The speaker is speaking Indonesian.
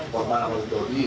korban atau gori